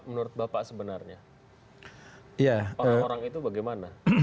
menurut bapak sebenarnya orang orang itu bagaimana